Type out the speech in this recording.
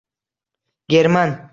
German